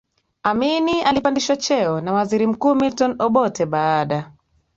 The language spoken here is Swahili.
Amin alipandishwa cheo na waziri mkuu Milton Obote baada